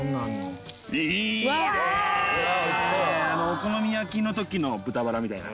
お好み焼きの時の豚バラみたいな。